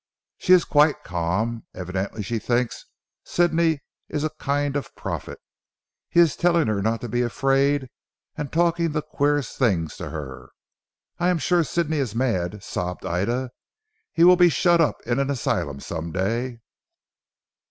"She is quite calm. Evidently she thinks Sidney is a kind of prophet. He is telling her not to be afraid and talking the queerest things to her. I am sure Sidney is mad," sobbed Ida, "he will be shut up in an asylum someday."